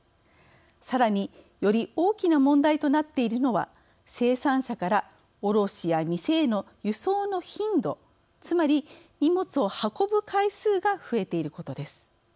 さらにより大きな問題となっているのは生産者から卸や店への輸送の頻度つまり荷物を運ぶ回数が増えていることです。